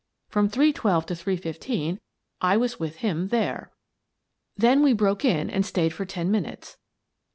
From three twelve to three fifteen I was with him there. Then we broke in and stayed for ten minutes.